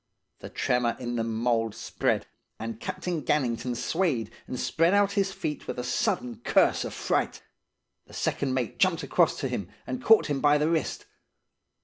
The tremor in the mould spread, and Captain Gannington swayed, and spread out his feet with a sudden curse of fright. The second mate jumped across to him, and caught him by the wrist.